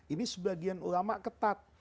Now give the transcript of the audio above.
ini sebagian ulama ketat